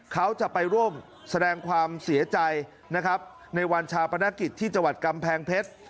เขาจะไปร่วมแสดงความเสียใจนะครับในวันชาปนกิจที่จังหวัดกำแพงเพชร